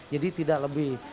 jadi tidak lebih